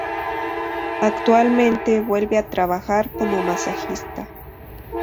Actualmente vuelve a trabajar como masajista.